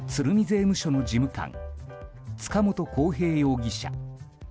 税務署の事務官塚本晃平容疑者